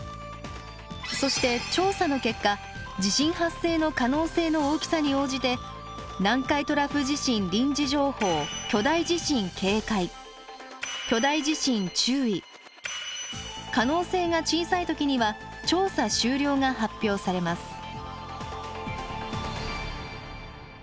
そして調査の結果地震発生の可能性の大きさに応じて「南海トラフ地震臨時情報」「巨大地震注意」可能性が小さい時には「調査終了」が発表されます。